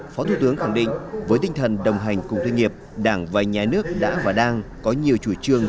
phó thủ tướng khẳng định với tinh thần đồng hành cùng doanh nghiệp đảng và nhà nước đã và đang có nhiều chủ trương